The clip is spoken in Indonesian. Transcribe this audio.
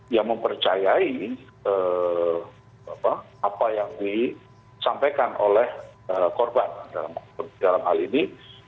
yang mempercayai apa yang disampaikan oleh korban dalam hal ini